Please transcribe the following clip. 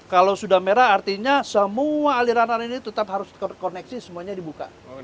kalau sudah merah artinya semua aliran aliran ini tetap harus koneksi semuanya dibuka